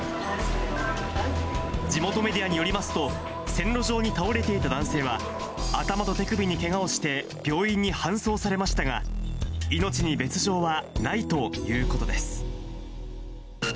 地元メディアによりますと、線路上に倒れていた男性は、頭と手首にけがをして病院に搬送されましたが、中国・四川省。